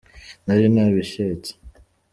nari nabicyetse.